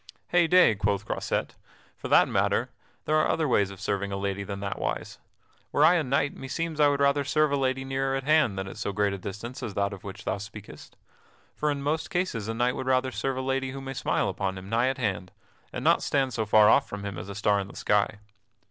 "Heyday!" quoth Croisette, "for that matter, there are other ways of serving a lady than that wise. Were I a knight meseems I would rather serve a lady nearer at hand than at so great distance as that of which thou speakest. For in most cases a knight would rather serve a lady who may smile upon him nigh at hand, and not stand so far off from him as a star in the sky."